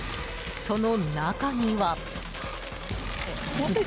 その中には。